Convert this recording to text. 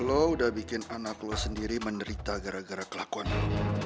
lo udah bikin anak lo sendiri menderita gara gara kelakuan lo